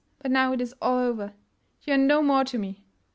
But now it is all over. You are no more to me."